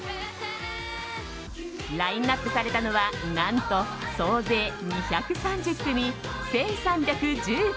ラインアップされたのは何と、総勢２３０組１３１９人。